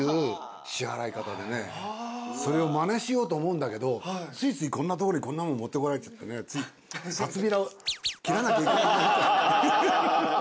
それをまねしようと思うんだけどついついこんなところにこんなもん持ってこられちゃってね札びらを切らなきゃいけなく。